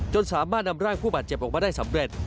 สามารถนำร่างผู้บาดเจ็บออกมาได้สำเร็จ